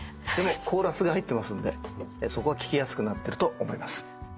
でもコーラスが入ってますんでそこは聴きやすくなってると思います。